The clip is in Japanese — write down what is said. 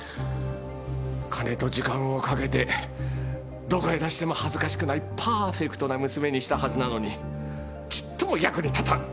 金と時間をかけてどこへ出しても恥ずかしくないパーフェクトな娘にしたはずなのにちっとも役に立たん。